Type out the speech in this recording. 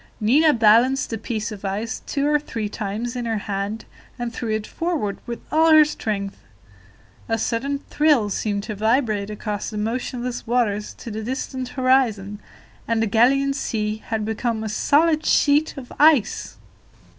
Nina balanced the piece of ice two or three times in her hand, and threw it forward with all her strength. A sudden thrill seemed to vibrate across the motionless waters to the distant horizon, and the Gallian Sea had become a solid sheet of ice!